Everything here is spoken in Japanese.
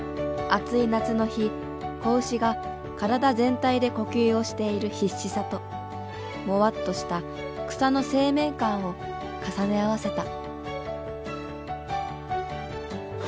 暑い夏の日子牛が体全体で呼吸をしている必死さともわっとした草の生命感を重ね合わせた。